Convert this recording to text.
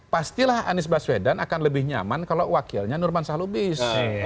pastilah anies baswedan akan lebih nyaman kalau wakilnya nurman salubis